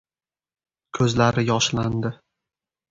Ko‘zlari yoshlandi.